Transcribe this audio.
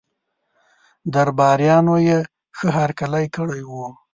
درباریانو یې ښه هرکلی کړی وو.